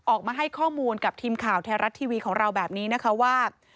ออกมาให้ข้อมูลกับทีมข่าวไทยรัฐทีวีของเราแบบนี้นะคะว่า